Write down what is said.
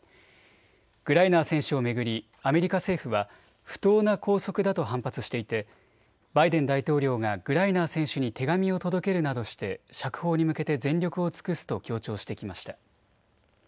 グライナー選手を巡りアメリカ政府は不当な拘束だと反発していてバイデン大統領がグライナー選手に手紙を届けるなどして釈放に向けて全力を尽くすと強調してきました。